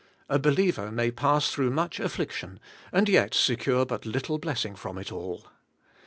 A believer may pass through much affliction, and yet secure but little blessing from it all.